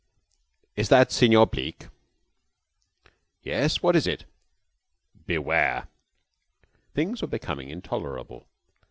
"Is that Senor Bleke?" "Yes. What is it?" "Beware!" Things were becoming intolerable.